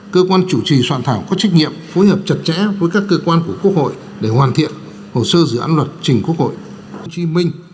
cơ quan chủ trì soạn thảo có trách nhiệm phối hợp chặt chẽ với các cơ quan của quốc hội để hoàn thiện hồ sơ dự án luật trình quốc hội hồ chí minh